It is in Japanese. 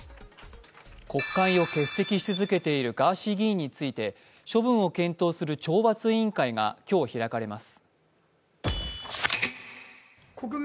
国会を欠席し続けているガーシー議員について処分を検討する懲罰委員会が今日、開かれます。